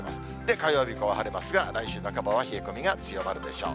火曜日以降、晴れますが、来週半ばは冷え込みが強まるでしょう。